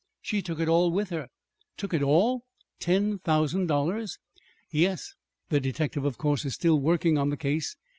She took it all with her." "Took it all ten thousand dollars!" "Yes. The detective, of course, is still working on the case.